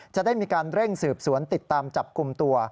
จะได้มีการเร่งสืบสวนติดตามจับกลุ่มตัว